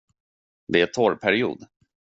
Det är torrperiod.